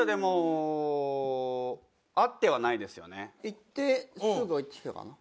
行ってすぐ帰ってきたかな。